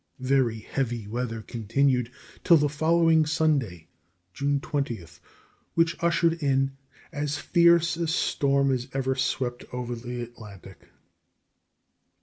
Very heavy weather continued till the following Sunday (June 20th), which ushered in as fierce a storm as ever swept over the Atlantic.